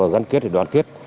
gắn kết để đoán kết